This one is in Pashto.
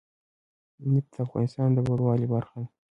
نفت د افغانستان د بڼوالۍ برخه ده.